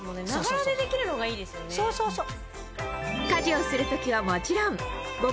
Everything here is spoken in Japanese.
そうそうそう！